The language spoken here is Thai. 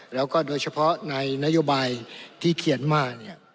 แล้วก็โดยเฉพาะในนโยบายที่เขียนมาเนี่ย